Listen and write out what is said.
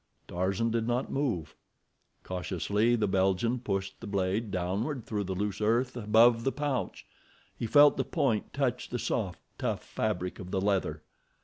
Tarzan did not move. Cautiously the Belgian pushed the blade downward through the loose earth above the pouch. He felt the point touch the soft, tough fabric of the leather.